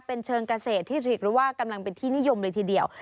เป็นเชิงเกษตรที่ทริกหรือว่ากำลังเป็นที่นิยมเลยทีเดียว